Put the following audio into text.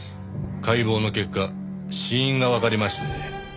解剖の結果死因がわかりましてね